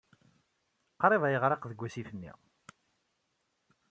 Qrib ay yeɣriq deg wasif-nni.